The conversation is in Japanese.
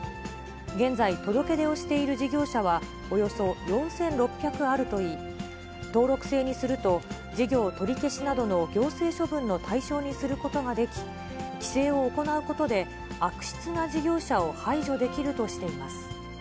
現在、届け出をしている事業者は、およそ４６００あるといい、登録制にすると、事業取り消しなどの行政処分の対象にすることができ、規制を行うことで、悪質な事業者を排除できるとしています。